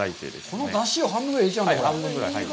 このだしを半分ぐらい入れちゃうんだ。